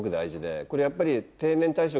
これやっぱり。